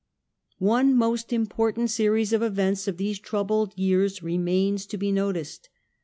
One most important series of events of these troubled years remains to be noticed.